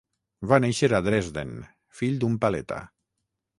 Va néixer a Dresden, fill d'un paleta.